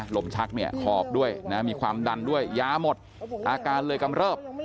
ลมชักขอบด้วยมีความดันด้วยยาหมดอาการเลยกำเริบ